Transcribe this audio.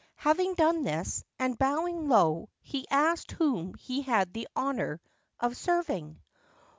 Having done this, and bowing low, he asked whom he had the honour of serving.